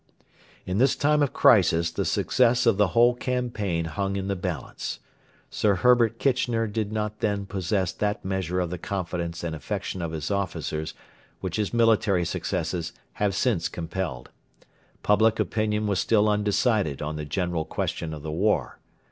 In this time of crisis the success of the whole campaign hung in the balance. Sir Herbert Kitchener did not then possess that measure of the confidence and affection of his officers which his military successes have since compelled. Public opinion was still undecided on the general question of the war.